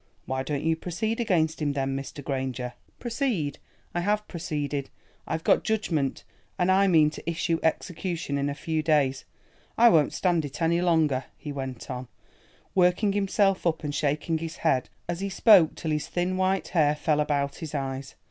"Why don't you proceed against him, then, Mr. Granger?" "Proceed, I have proceeded. I've got judgment, and I mean to issue execution in a few days. I won't stand it any longer," he went on, working himself up and shaking his head as he spoke till his thin white hair fell about his eyes.